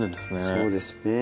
そうですね。